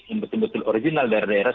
yang betul betul original daerah daerah